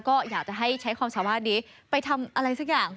ก็อยากจะให้ใช้ความสามารถนี้ไปทำอะไรสักอย่าง